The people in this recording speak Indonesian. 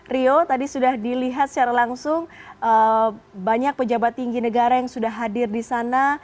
rio tadi sudah dilihat secara langsung banyak pejabat tinggi negara yang sudah hadir di sana